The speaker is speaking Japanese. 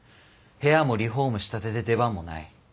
部屋もリフォームしたてで出番もない。